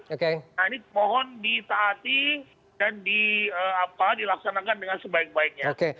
nah ini mohon ditaati dan dilaksanakan dengan sebaik baiknya